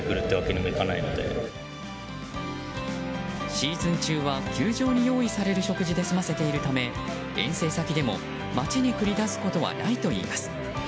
シーズン中は球場に用意される食事で済ませているため遠征先でも街に繰り出すことはないといいます。